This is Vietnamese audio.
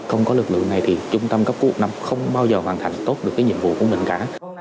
không có lực lượng này thì trung tâm cấp cứu một một năm không bao giờ hoàn thành tốt được nhiệm vụ của mình cả